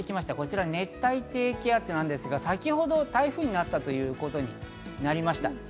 こちら、熱帯低気圧なんですが、先ほど台風になったということになりました。